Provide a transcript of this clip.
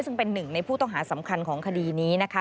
ซึ่งเป็นหนึ่งในผู้ต้องหาสำคัญของคดีนี้นะคะ